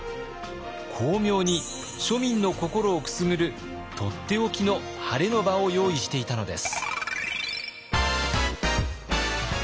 巧妙に庶民の心をくすぐるとっておきのハレの場を用意していたのです。